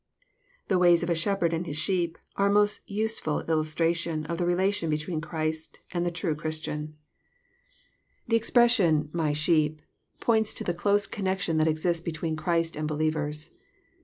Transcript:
The ways of a shepherd and his sheep are a most useful illustration of the relation between Christ and the true Christian. 204 EXPOSITORY THOUGHTS. The expression, ^^ My sheep," points to the close conneo* tion that exists between Christ and believers.